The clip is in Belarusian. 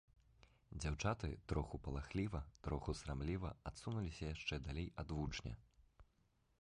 Дзяўчаты троху палахліва, троху сарамліва адсунуліся яшчэ далей ад вучня.